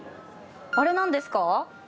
あれなんですか？